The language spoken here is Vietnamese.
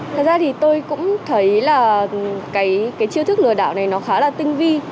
thật ra thì tôi cũng thấy là cái chiêu thức lừa đảo này nó khá là tinh vi